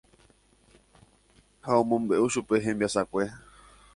Ha omombe'u chupe hembiasakue.